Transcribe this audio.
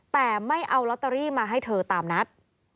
แต่ไม่เอาลอตเตอรี่มาให้เธอตามนัด